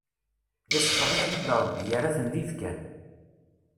Isxeḍ-iten-id Rebbi, yerran-ten d ibkan.